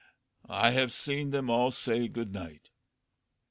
I have seen them all say good night.